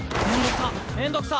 面倒くさ！